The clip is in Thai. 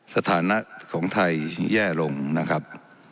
สถานะของไทยแย่ลงนะครับ